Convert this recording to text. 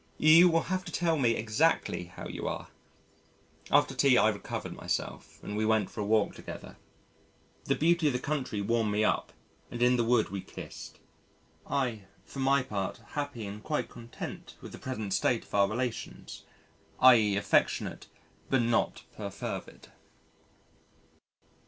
You will have to tell me exactly how you are." After tea, I recovered myself and we went for a walk together. The beauty of the country warmed me up, and in the wood we kissed I for my part happy and quite content with the present state of our relations, i.e., affectionate but not perfervid.